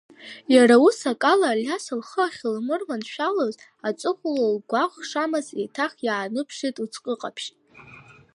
Иара ус акала Алиса лхы ахьылмырманшәалоз аҵыхәала лгәаӷ шамаз еиҭах иааныԥшит лыҵкыҟаԥшь.